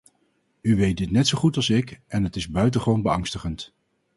U weet dit net zo goed als ik en het is buitengewoon beangstigend.